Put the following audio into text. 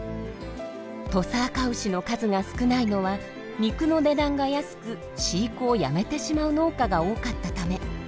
土佐あかうしの数が少ないのは肉の値段が安く飼育をやめてしまう農家が多かったため。